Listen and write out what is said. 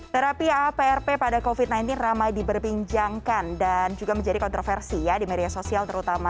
terapi aaprp pada covid sembilan belas ramai diberbincangkan dan juga menjadi kontroversi ya di media sosial terutama